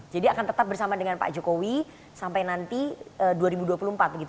jadi akan tetap bersama dengan pak jokowi sampai nanti dua ribu dua puluh empat